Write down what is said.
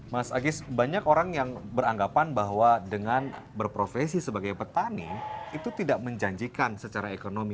mas agis banyak orang yang beranggapan bahwa dengan berprofesi sebagai petani itu tidak menjanjikan secara ekonomi